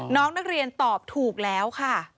น้องนักเรียนตอบถูกแล้วค่ะ